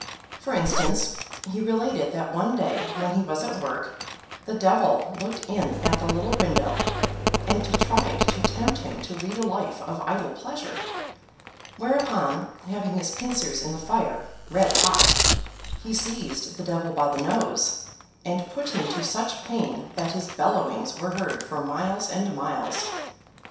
For instance, he related that one day when he was at work, the devil looked in at the little window, and tried to tempt him to lead a life of idle pleasure; whereupon, having his pincers in the fire, red hot, he seized the devil by the nose, and put him to such pain, that his bellowings were heard for miles and miles.